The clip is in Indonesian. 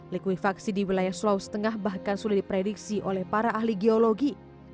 likuifaksi di wilayah sulawesi tengah bahkan sudah diprediksi oleh para ahli geologi